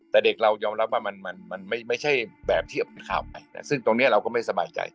แต่เด็กเรายอมรับว่ามันมันไม่ใช่แบบที่เป็นข่าวไปซึ่งตรงนี้เราก็ไม่สบายใจ